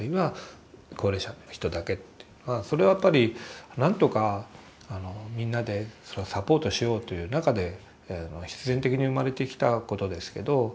それはやっぱりなんとかみんなでそれをサポートしようという中で必然的に生まれてきたことですけど。